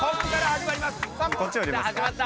始まった。